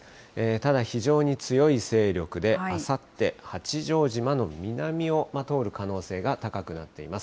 ただ、非常に強い勢力で、あさって、八丈島の南を通る可能性が高くなっています。